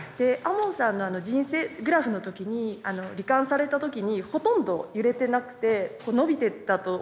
門さんのあの人生グラフの時に罹患された時にほとんど揺れてなくてのびてったというふうに見えたんですけど。